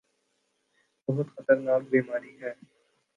بہت خطرناک بیماری ہے۔